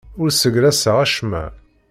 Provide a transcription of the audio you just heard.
Ur ssegraseɣ acemma.